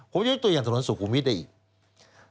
ผมยกตัวอย่างถนนสุขุมวิทย์ได้อีก